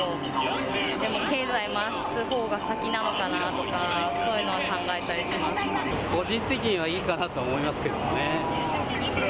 でも、経済を回すほうが先なのかなとか、個人的にはいいかなと思いますけどもね。